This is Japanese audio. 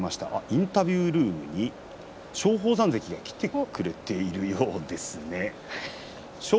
インタビュールームに松鳳山関が来てくれているようです。